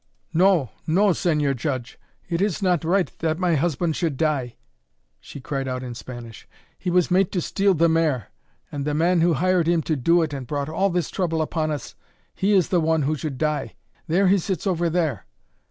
"No, no, Señor Judge! It is not right that my husband should die," she cried out in Spanish. "He was made to steal the mare, and the man who hired him to do it and brought all this trouble upon us he is the one who should die! There he sits over there!